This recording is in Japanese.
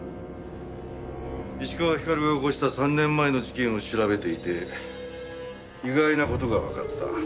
石川光が起こした３年前の事件を調べていて意外な事がわかった。